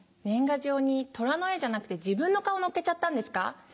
年賀状にトラの絵じゃなくて自分の顔載っけちゃったんですか？